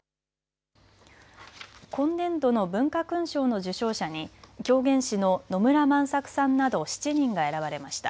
今年度の文化勲章の受章者に狂言師の野村万作さんなど７人が選ばれました。